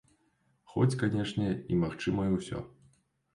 Хоць, канешне, і магчымае ўсё.